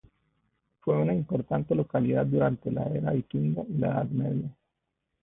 Fue una importante localidad durante la era vikinga y la Edad Media.